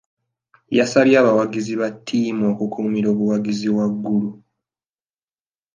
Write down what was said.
Yasabye abawagizi ba ttiimu okukuumira obuwagazi waggulu.